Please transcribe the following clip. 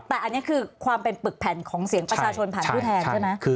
แต่อันนี้คือความเป็นปึกแผ่นของเสียงประชาชนผ่านผู้แทนใช่ไหม